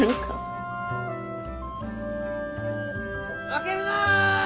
・負けるな！